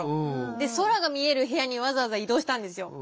で空が見える部屋にわざわざ移動したんですよ。